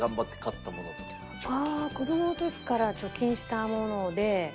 ああー子どもの時から貯金したもので。